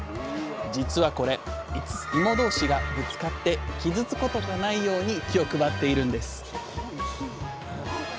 実はこれいも同士がぶつかって傷つくことがないように気を配っているんです